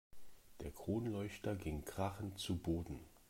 Der Kronleuchter ging krachend zu Boden.